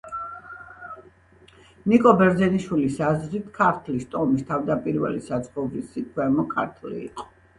ნიკო ბერძენიშვილის აზრით, ქართლის ტომის თავდაპირველი საცხოვრისი ქვემო ქართლი იყო.